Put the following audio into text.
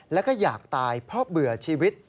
แล้วก็อยากตายเพราะเบื่อชีวิต